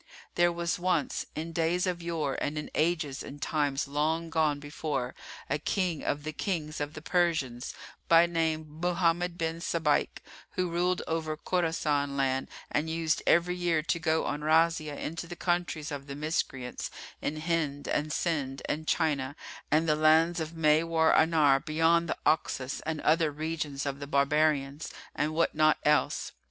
There was once, in days of yore and in ages and times long gone before, a King of the Kings of the Persians, by name Mohammed bin Sabáik, who ruled over Khorásán land and used every year to go on razzia into the countries of the Miscreants in Hind and Sind and China and the lands of Máwarannahr beyond the Oxus and other regions of the barbarians and what not else.